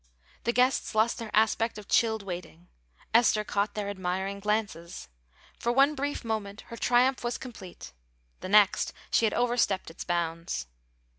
The guests lost their aspect of chilled waiting; Esther caught their admiring glances. For one brief moment her triumph was complete; the next she had overstepped its bounds.